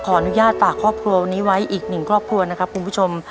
ขออนุญาตฝากครอบครัววันนี้ไว้อีกหนึ่งครอบครัวนะครับคุณผู้ชม